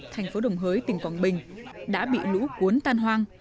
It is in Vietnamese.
thành phố đồng hới tỉnh quảng bình đã bị lũ cuốn tan hoang